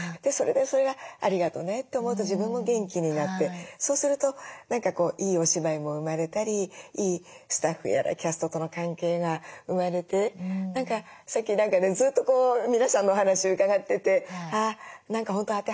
それでそれがありがとねって思うと自分も元気になってそうするといいお芝居も生まれたりいいスタッフやらキャストとの関係が生まれて何かさっき何かねずっと皆さんのお話伺っててあ何か本当